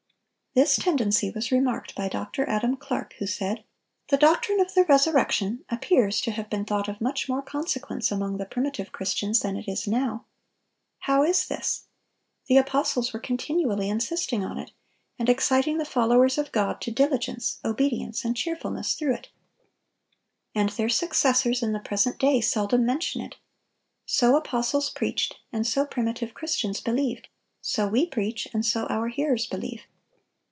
This tendency was remarked by Dr. Adam Clarke, who said: "The doctrine of the resurrection appears to have been thought of much more consequence among the primitive Christians than it is now! How is this? The apostles were continually insisting on it, and exciting the followers of God to diligence, obedience, and cheerfulness through it. And their successors in the present day seldom mention it! So apostles preached, and so primitive Christians believed; so we preach, and so our hearers believe.